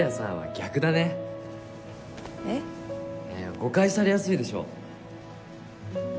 誤解されやすいでしょ。